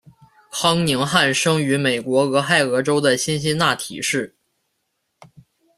康宁汉生于美国俄亥俄州的辛辛那提市。